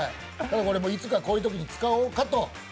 いつかこういうときに使おうかと。